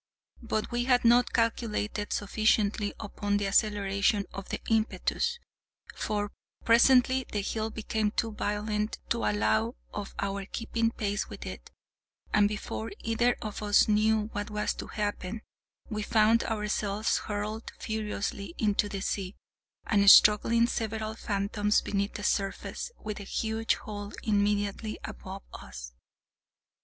But we had not calculated sufficiently upon the acceleration of the impetus; for, presently the heel became too violent to allow of our keeping pace with it; and, before either of us knew what was to happen, we found ourselves hurled furiously into the sea, and struggling several fathoms beneath the surface, with the huge hull immediately above us.